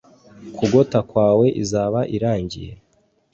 kugota kwawe izaba irangiye